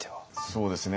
そうですね。